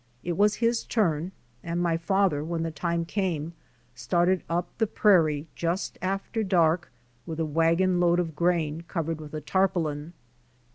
It was his turn and my father, when the time came, started up the prairie just after dark with a wagon load of grain covered with a tarpaulin.